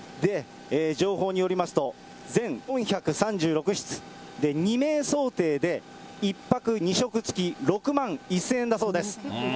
情報によりますと、全４３６室、２名想定で、１泊２食つき６万１０００円だそうです。